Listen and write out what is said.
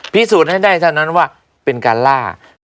พิสูจน์ให้ได้เท่านั้นว่าเป็นการล่า